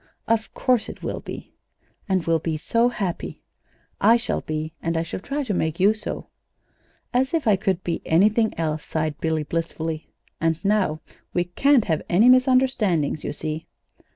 "Of course it will be." "And we'll be so happy!" "I shall be, and I shall try to make you so." "As if I could be anything else," sighed Billy, blissfully. "And now we can't have any misunderstandings, you see."